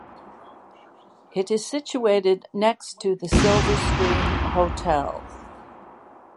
It is situated next to the Silverstream Hotel.